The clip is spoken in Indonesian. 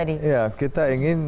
ya kita ingin ini kan kita ingin retuk